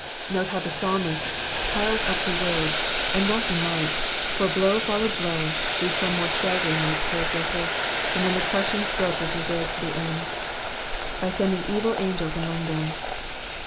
Note how the psalmist piles up the words, and well he might ; for blow followed blow, each one more staggering than its prede cessor, and then the crushing stroke was reserved for the end. *'i?y nending evil angels among them.'''